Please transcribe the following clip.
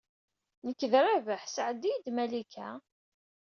Nekk d Rabaḥ. Sɛeddi-iyi-d Malika.